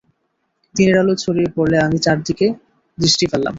দিনের আলো ছড়িয়ে পড়লে আমি চারদিকে দৃষ্টি ফেললাম।